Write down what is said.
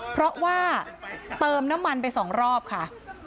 เพราะว่าเติมน้ำมันไป๒รอบค่ะ